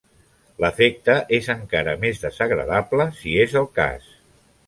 L'efecte és encara més desagradable si és el cas.